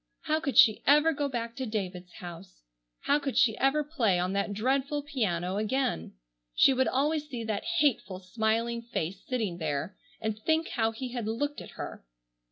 How could she ever go back to David's house! How could she ever play on that dreadful piano again? She would always see that hateful, smiling face sitting there and think how he had looked at her.